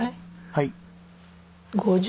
はい。